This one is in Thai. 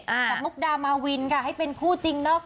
กับมุกดามาวินค่ะให้เป็นคู่จริงเนาะ